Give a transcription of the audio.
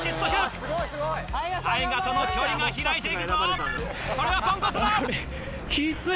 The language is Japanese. ＴＡＩＧＡとの距離が開いていくこれはぽんこつだ！